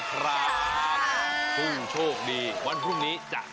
ขอแสดงความยินดีกับผู้ที่โชคดีได้รับมอเตอร์ไซค์ตั้งวันนี้ด้วยนะครับ